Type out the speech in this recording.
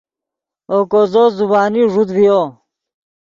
اوکو زو زبانی ݱوت ڤیو